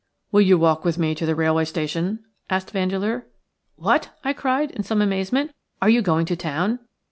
"Will you walk with me to the railway station?" asked Vandeleur. "What!" I cried, in some amazement, "are you going to town?"